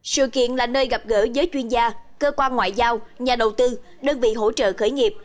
sự kiện là nơi gặp gỡ giới chuyên gia cơ quan ngoại giao nhà đầu tư đơn vị hỗ trợ khởi nghiệp